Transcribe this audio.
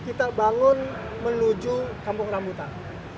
kita bangun menuju kampung rambutan